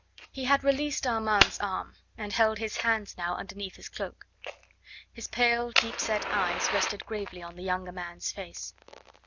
He had released Armand's arm, and held his hands now underneath his cloak; his pale, deep set eyes rested gravely on the younger man's face.